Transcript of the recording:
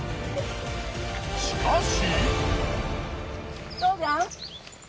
しかし。